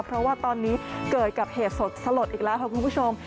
เพราะว่าตอนนี้เกิดกับเหตุสลดอีกแล้วค่ะคุณผู้ชม